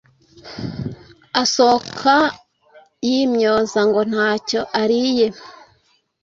asohoka yimyoza ngo ntacyo ariye.